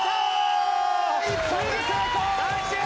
１本目成功！